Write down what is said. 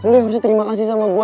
lu harusnya terima kasih sama gua